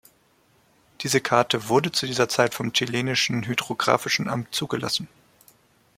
Diese Karte wurde zu dieser Zeit vom chilenischen Hydrographischen Amt zugelassen.